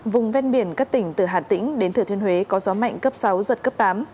vùng ven biển các tỉnh từ hà tĩnh đến thừa thiên huế có gió mạnh cấp sáu giật cấp tám